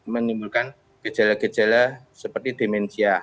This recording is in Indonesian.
menimbulkan gejala gejala seperti demensia